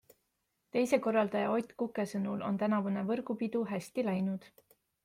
Teise korraldaja Ott Kuke sõnul on tänavune võrgupidu hästi läinud.